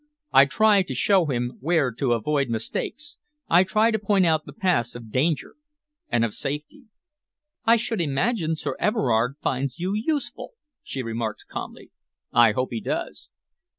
I try to show him where to avoid mistakes, I try to point out the paths of danger and of safety." "I should imagine Sir Everard finds you useful," she remarked calmly. "I hope he does."